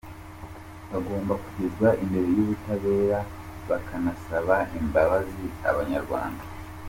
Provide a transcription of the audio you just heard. Bagomba kugezwa imbere y’ubutabera bakanasaba imbabazi abanyarwanda.